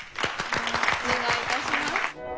お願い致します。